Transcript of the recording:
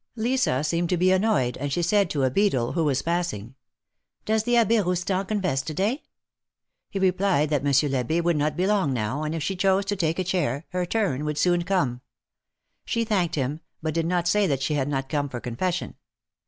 Lisa seemed to be annoyed, and she said to a beadle, who was passing :" Does the Abb6 Roustan confess to day ?" He replied that Monsieur I'Abbe would not be long now, and if she chose to take a chair, her turn would soon come. She thanked him, but did not say that she had not come for confession.